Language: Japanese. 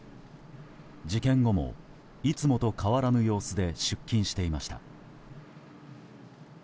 事件後もいつもと変わらぬ様子で出勤していました。